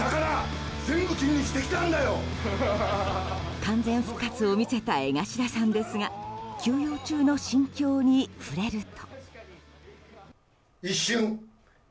完全復活を見せた江頭さんですが休養中の心境に触れると。